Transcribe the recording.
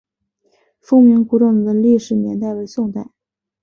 凤鸣古冢的历史年代为宋代。